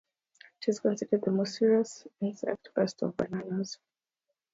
It is considered the most serious insect pest of bananas.